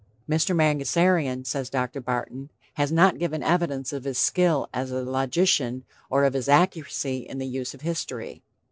"Mr. Mangasarian," says Dr. Barton, "has not given evidence of his skill as a logician or of his accuracy in the use of history."